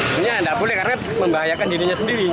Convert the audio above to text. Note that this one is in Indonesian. sebenarnya tidak boleh karena membahayakan dirinya sendiri